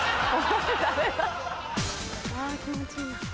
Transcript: あ気持ちいいな。